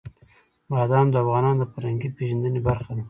بادام د افغانانو د فرهنګي پیژندنې برخه ده.